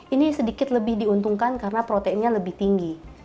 ini sedikit lebih diuntungkan karena proteinnya lebih tinggi